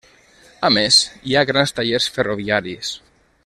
A més hi ha grans tallers ferroviaris.